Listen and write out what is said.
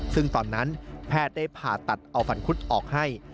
ซึ่งตอนนั้นแพทย์ได้ผ่าตัดเอาฟันคุดออกให้